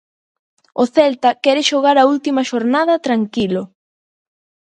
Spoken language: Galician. O Celta quere xogar a última xornada tranquilo.